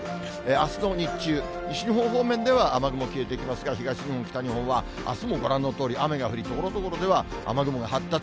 あすの日中、西日本方面では雨雲消えていきますが、東日本、北日本は、あすもご覧のとおり、雨が降り、ところどころでは雨雲が発達。